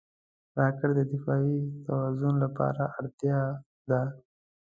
راکټ د دفاعي توازن لپاره اړتیا ده